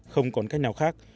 không còn cách nào khác